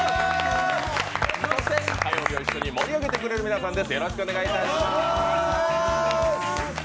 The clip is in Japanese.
そして火曜日を一緒に盛り上げてくださる皆さんです。